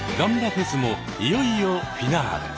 フェスもいよいよフィナーレ。